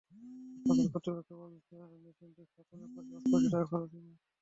হাসপাতাল কর্তৃপক্ষ বলছে, মেশিনটি স্থাপনে প্রায় পাঁচ কোটি টাকা খরচ হবে।